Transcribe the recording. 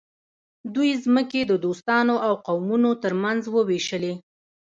دوی ځمکې د دوستانو او قومونو ترمنځ وویشلې.